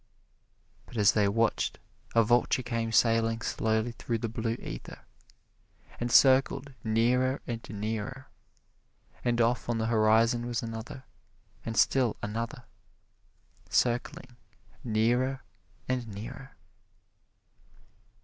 But as they watched a vulture came sailing slowly through the blue ether, and circled nearer and nearer; and off on the horizon was another and still another, circling nearer and nearer.